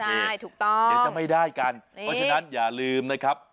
ใช่ถูกต้องเดี๋ยวจะไม่ได้กันเพราะฉะนั้นอย่าลืมนะครับ